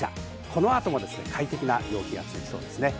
この後も快適な陽気が続きそうです。